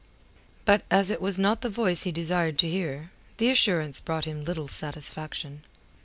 But as it was not the voice he desired to hear, the assurance brought him little satisfaction.